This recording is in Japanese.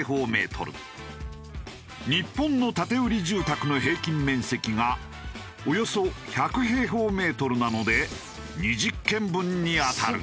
日本の建売住宅の平均面積がおよそ１００平方メートルなので２０軒分に当たる。